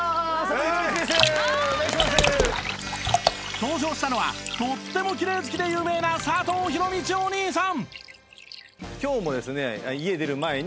登場したのはとってもきれい好きで有名な佐藤弘道お兄さん！